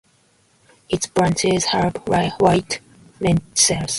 Its branches have white lenticels.